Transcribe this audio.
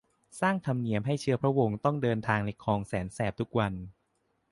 สร้างธรรมเนียมให้เชื้อพระวงศ์ต้องเดินทางในคลองแสนแสบทุกวัน